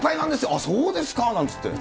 あっ、そうですか、なんて言って。